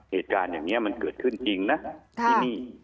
เหตุการณ์อย่างนี้มันเกิดขึ้นจริงนะที่นี่